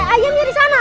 ayamnya di sana